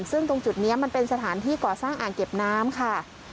ซึ่งตรงจุดนี้มันเป็นสถานที่ก่อสร้างอ่างเก็บน้ำค่ะ